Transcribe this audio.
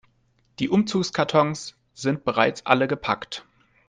Die Umzugskartons sind bereits alle gepackt.